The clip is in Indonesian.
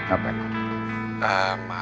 apa ya pak